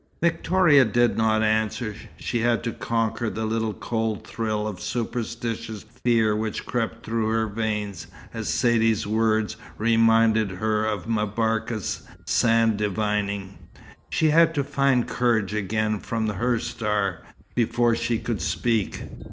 Victoria did not answer. She had to conquer the little cold thrill of superstitious fear which crept through her veins, as Saidee's words reminded her of M'Barka's sand divining. She had to find courage again from "her star," before she could speak.